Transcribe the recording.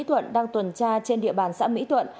thuận đang tuần tra trên địa bàn xã mỹ thuận